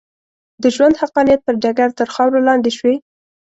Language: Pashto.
د ژوند حقانیت پر ډګر تر خاورو لاندې شوې.